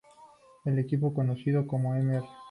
El equipo, conocido como Mr.